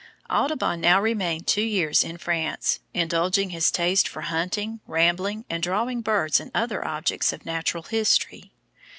Audubon now remained two years in France, indulging his taste for hunting, rambling, and drawing birds and other objects of Natural History.